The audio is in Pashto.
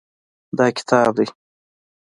دا کتاب دی.